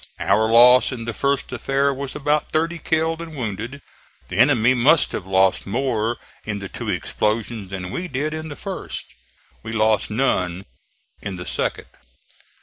Our loss in the first affair was about thirty killed and wounded. The enemy must have lost more in the two explosions than we did in the first. We lost none in the second.